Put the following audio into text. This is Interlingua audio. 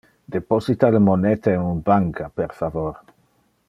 Deposita le moneta in un banca, per favor.